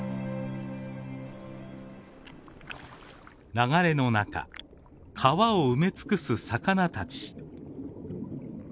流れの中川を埋めつくす魚たち。